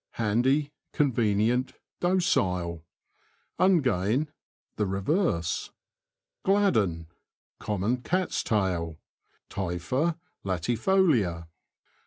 — Handy, convenient, docile. Ungain. — The reverse. Gladdon. — Common cat's tail {Typha latifolia).